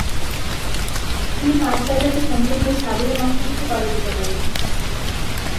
তিনি "পাচ রাজা"কে সঙ্গে নিয়ে সাভেহে মাহমুদকে পরাজিত করেন।